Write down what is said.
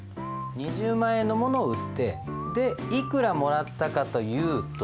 ２０万円のものを売っていくらもらったかというと。